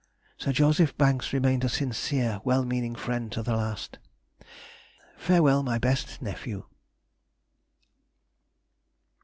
Sir J. Banks remained a sincere well meaning friend to the last. Farewell, my best Nephew!